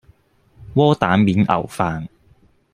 窩蛋免牛飯